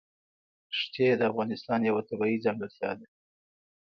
ښتې د افغانستان یوه طبیعي ځانګړتیا ده.